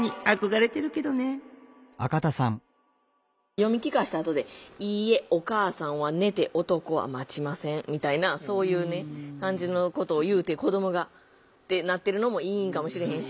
読み聞かせたあとで「いいえ。お母さんは寝て男は待ちません」みたいなそういう感じのことを言うて子どもがってなってるのもいいんかもしれへんし。